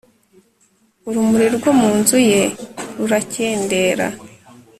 urumuri rwo mu nzu ye rurakendera